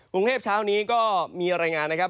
กรุงเทพเช้านี้ก็มีรายงานนะครับ